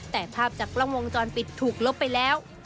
แต่ภาพจากกล้องวงจรปิดถูกลบไปแล้ว